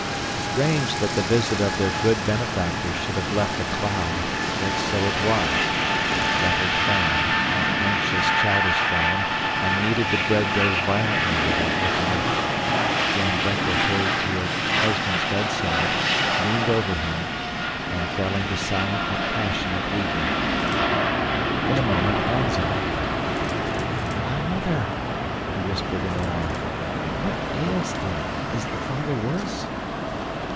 Strange that the visit of their good benefactor should have left a cloud, yet so it was. Gretel frowned, an anxious, childish frown, and kneaded the bread dough violently without looking up. Dame Brinker hurried to her husband's bedside, leaned over him, and fell into silent but passionate weeping. In a moment Hans entered. "Why, Mother," he whispered in alarm, "what ails thee? Is the father worse?"